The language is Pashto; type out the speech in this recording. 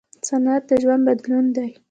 صنعت د ژوند بدلون دی.